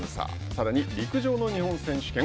さらに陸上の日本選手権。